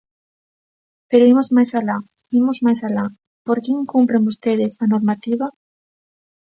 Pero imos máis alá, imos máis alá, ¿por que incumpren vostedes a normativa?